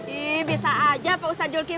ini bisa aja pak ustadz julki